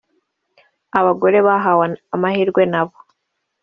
abagore bahawe amahirwe nabo